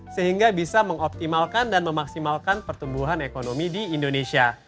sehingga bisa mengoptimalkan dan memaksimalkan pertumbuhan ekonomi di indonesia